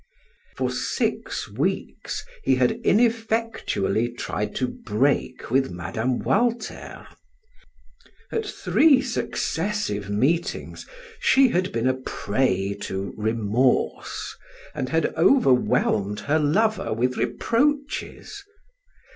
For six weeks he had ineffectually tried to break with Mme. Walter. At three successive meetings she had been a prey to remorse, and had overwhelmed her lover with reproaches.